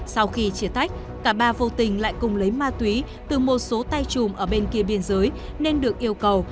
sau khi chia tách cả ba vô tình lại cùng lấy ma túy từ một số tay chùm ở bên kia biên giới nên được yêu cầu